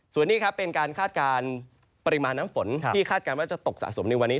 ส่วนนี้ครับเป็นการคาดการณ์ปริมาณน้ำฝนที่คาดการณ์ว่าจะตกสะสมในวันนี้